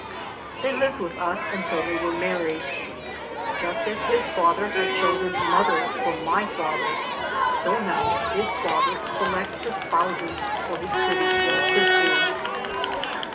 They lived with us until they were married. Just as his father had chosen mother for my 3 by Google MY MOTHER AND I father, so now did father select the spouses for his pretty young sisters.